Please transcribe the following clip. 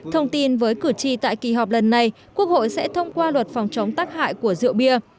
thông tin với cử tri tại kỳ họp lần này quốc hội sẽ thông qua luật phòng chống tác hại của rượu bia